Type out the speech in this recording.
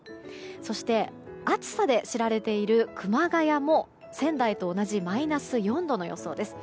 そして暑さで知られている熊谷も仙台と同じマイナス４度の予想です。